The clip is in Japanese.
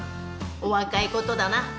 お若いことだな。